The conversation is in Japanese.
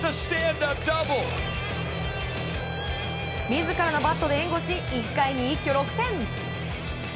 自らのバットで援護し１回に一挙６点！